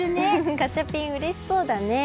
ガチャピン、うれしそうだね。